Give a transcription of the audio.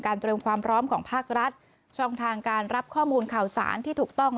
เตรียมความพร้อมของภาครัฐช่องทางการรับข้อมูลข่าวสารที่ถูกต้อง